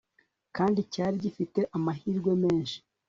kandi cyari gifite amahirwe menshi